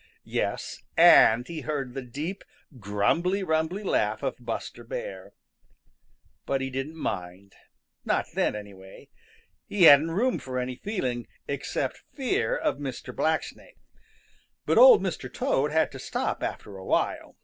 Yes, and he heard the deep, grumbly rumbly laugh of Buster Bear. But he didn't mind it. Not then, anyway. He hadn't room for any feeling except fear of Mr. Blacksnake. But Old Mr. Toad had to stop after a while.